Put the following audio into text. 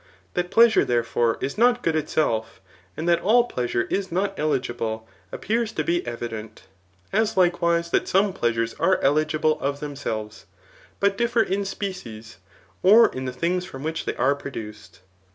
That plea sure, therefore, is not good itself, and that all pleasure is not eligible, appears to be evident, as likewise that some pleasures are eligible of themselves, but differ in species, or in the things from which they are produced.